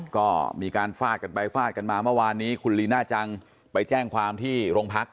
ก็มีการฟาดกันไปฟาดกันมาเมื่อวานนี้คุณลีน่าจังไปแจ้งความที่โรงพัก